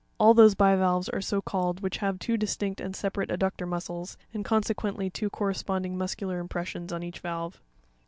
All those bivalves are so called which have two distinct and separate adductor muscles, and consequently two cor responding muscular impressions on each valve.